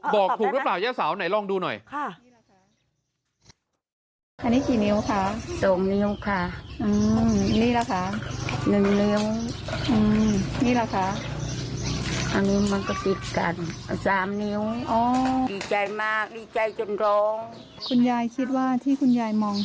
บอกถูกหรือเปล่ายะสาวไหนลองดูหน่อย